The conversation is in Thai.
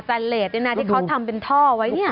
สันเลสนี่นะที่เขาทำเป็นท่อไว้เนี่ย